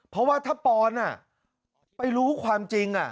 เพราะว่าถ้าปอนไปรู้ความจริง